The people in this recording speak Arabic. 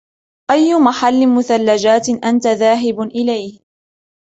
أي مَحَل مثلجات أنتَ ذاهب إليه؟